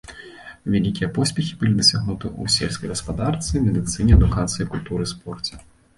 Вялікія поспехі былі дасягнуты ў сельскай гаспадарцы, медыцыне, адукацыі, культуры, спорце.